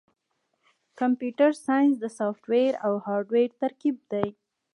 کمپیوټر ساینس د سافټویر او هارډویر ترکیب دی.